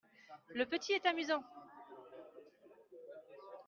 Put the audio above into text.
Le petit est amusant.